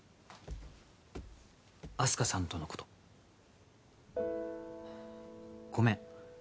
あす花さんとのことごめん